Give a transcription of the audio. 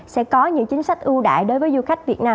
sẽ có những chính sách ưu đại đối với du khách việt nam